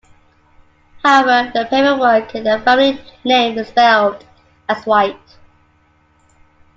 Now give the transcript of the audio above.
However, the paperwork had their family name misspelled as "White".